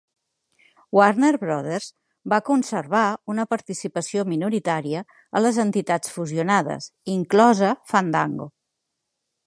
Warner Brothers va conservar una participació minoritària a les entitats fusionades, inclosa Fandango.